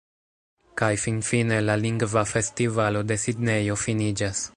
Kaj finfine, la Lingva Festivalo de Sidnejo finiĝas.